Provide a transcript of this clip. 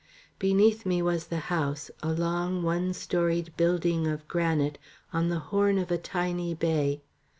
Beneath me was the house, a long one storied building of granite, on the horn of a tiny bay.